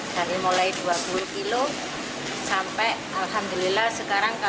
dari mulai dua puluh kilo sampai alhamdulillah sekarang